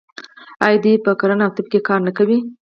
آیا دوی په کرنه او طب کې کار نه کوي؟